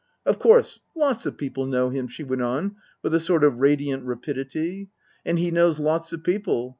" Of course lots of people know him," she went on with a sort of radiant rapidity. " And he knows lots of people.